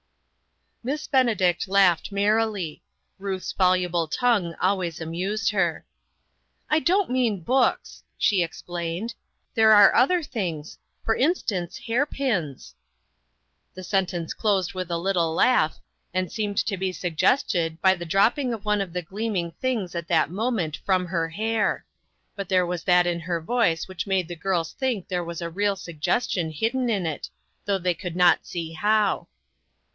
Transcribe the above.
Miss Benedict laughed merrily. Ruth's voluble tongue always amused her. "I don't mean books," she explained. "There are other things; for instance, hair pins." The sentence closed with a little laugh, and seemed to be suggested by the drop ping of one of the gleaming things at that moment from her hair ; but there was that in her voice which made the girls think 112 INTERRUPTED. there was a real suggestion hidden in it, though they could not see how.